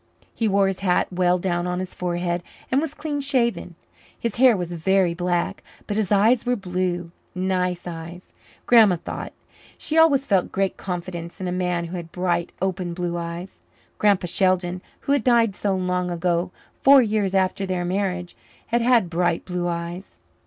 He wore his hat well down on his forehead and was clean shaven. His hair was very black, but his eyes were blue nice eyes, Grandma thought. She always felt great confidence in a man who had bright, open, blue eyes. Grandpa Sheldon, who had died so long ago, four years after their marriage, had had bright blue eyes.